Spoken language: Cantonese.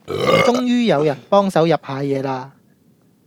終於有人幫手入下野啦